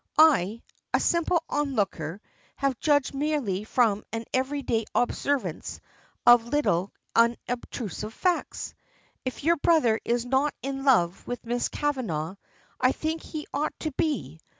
I, a simple on looker, have judged merely from an every day observance of little unobtrusive facts. If your brother is not in love with Miss Kavanagh, I think he ought to be.